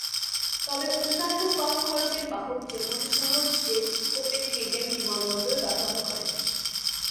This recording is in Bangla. তবে অন্যান্য কম খরচের বাহক যেমন সহজজেট কোপেনহেগেন বিমানবন্দর ব্যবহার করে।